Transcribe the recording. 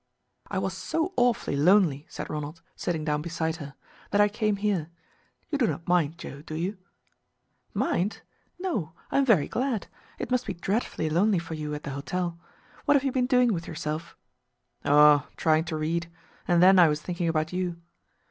"I was so awfully lonely," said Ronald, sitting down beside her, "that I came here. You do not mind, Joe, do you?" "Mind? No! I am very glad. It must be dreadfully lonely for you at the hotel. What have you been doing with yourself?" "Oh trying to read. And then, I was thinking about you."